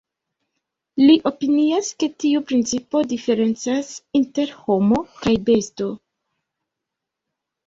Li opinias, ke tiu principo diferencas inter homo kaj besto.